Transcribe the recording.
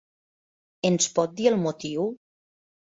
Ens pot dir el motiu?